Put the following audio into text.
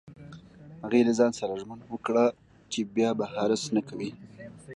هغې له ځان سره ژمنه وکړه چې بیا به حرص نه کوي